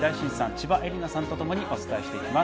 千葉絵里菜さんとともにお伝えしていきます。